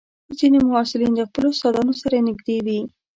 ځینې محصلین د خپلو استادانو سره نږدې وي.